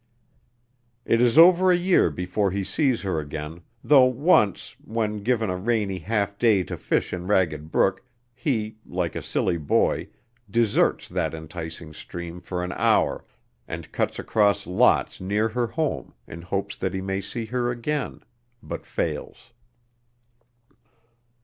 It is over a year before he sees her again, though once, when given a rainy half day to fish in Ragged Brook, he, like a silly boy, deserts that enticing stream for an hour and cuts across lots near her home in hopes that he may see her again, but fails.